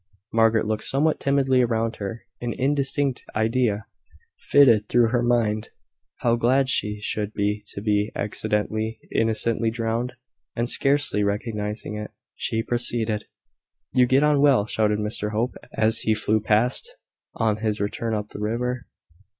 Margaret looked somewhat timidly about her. An indistinct idea flitted through her mind how glad she should be to be accidentally, innocently drowned; and scarcely recognising it, she proceeded. "You get on well," shouted Mr Hope, as he flew past, on his return up the river.